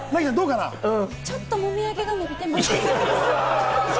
ちょっともみあげが伸びてます。